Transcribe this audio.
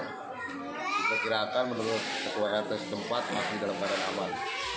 kita kirakan menurut ketua rt setempat masih dalam badan aman